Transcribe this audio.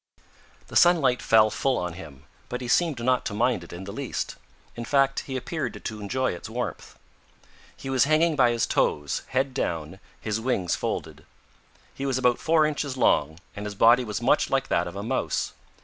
The sunlight fell full on him, but he seemed not to mind it in the least. In fact, he appeared to enjoy its warmth. He was hanging by his toes, head down, his wings folded. He was about four inches long, and his body was much like that of a Mouse.